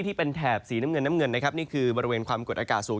ที่เป็นแถบสีน้ำเงินน้ำเงินนะครับนี่คือบริเวณความกดอากาศสูง